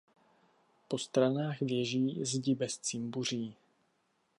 Po stranách věží zdi bez cimbuří.